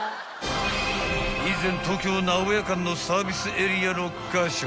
［以前東京名古屋間のサービスエリア６カ所］